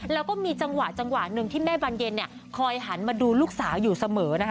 แล้วก็มีจังหวะนึงที่แม่บานเย็นคอยหันมาดูลูกสาวอยู่เสมอ